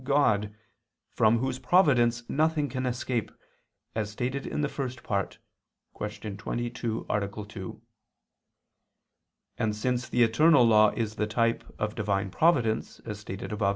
God, from Whose providence nothing can escape, as stated in the First Part (Q. 22, A. 2). And since the eternal law is the type of Divine providence, as stated above (A.